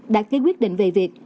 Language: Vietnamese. đã ký quyết định về việc